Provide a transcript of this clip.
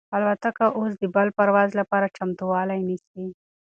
الوتکه اوس د بل پرواز لپاره چمتووالی نیسي.